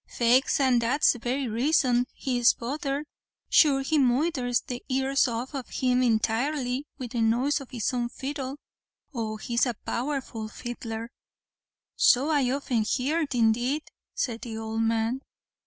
"Faix an' that's the very raison he is bothered; sure he moidhers the ears off of him intirely with the noise of his own fiddle. Oh he's a powerful fiddler." "So I often heerd, indeed," said the old man.